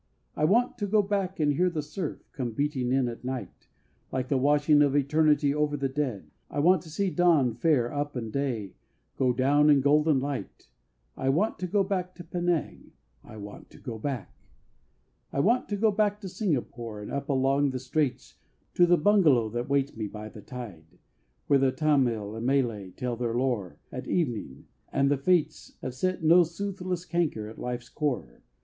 I want to go back and hear the surf Come beating in at night, Like the washing of eternity over the dead. I want to see dawn fare up and day Go down in golden light; I want to go back to Penang! I want to go back! I want to go back to Singapore And up along the Straits To the bungalow that waits me by the tide. Where the Tamil and Malay tell their lore At evening and the fates Have set no soothless canker at life's core.